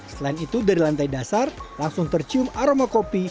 selain itu dari lantai dasar langsung tercium aroma kopi